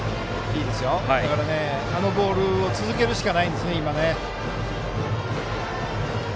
あのボールを続けるしかないですね、今は。